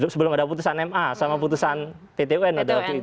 sebelum ada putusan ma sama putusan ttun